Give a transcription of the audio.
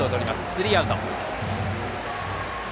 スリーアウト。